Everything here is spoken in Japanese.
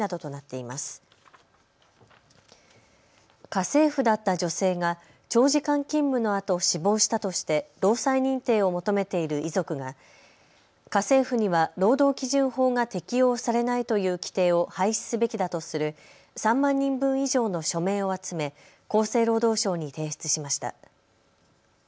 家政婦だった女性が長時間勤務のあと死亡したとして労災認定を求めている遺族が家政婦には労働基準法が適用されないという規定を廃止すべきだとする３万人分以上の署名を集め厚生労働省に提出しました。